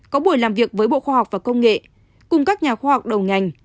có buổi làm việc với bộ khoa học và công nghệ cùng các nhà khoa học đầu ngành